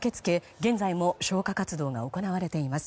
現在も消火活動が行われています。